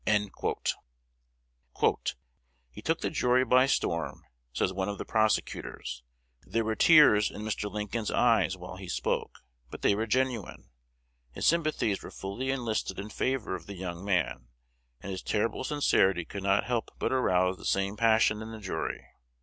"He took the jury by storm," says one of the prosecutors. "There were tears in Mr. Lincoln's eyes while he spoke, but they were genuine. His sympathies were fully enlisted in favor of the young man, and his terrible sincerity could not help but arouse the same passion in the jury.